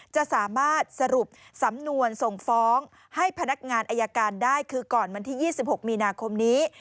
จะสามารถสรุปสำนวนส่งฟ้องให้พนักงานอายการได้คือก่อนวันที่๒๖มีนาคมนี้